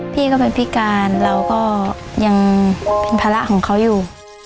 พี่ก็เป็นพิการเราก็ยังเป็นภาระของเขาอยู่